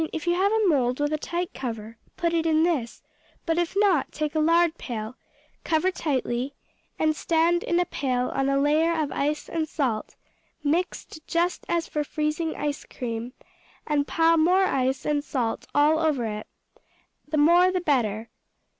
If you have a mould with a tight cover, put it in this, but if not, take a lard pail; cover tightly, and stand in a pail on a layer of ice and salt, mixed just as for freezing ice cream, and pile more ice and salt all over it, the more the better.